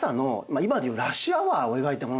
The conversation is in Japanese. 今で言うラッシュアワーを描いたものなんです。